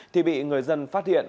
thì bị người dân phát hiện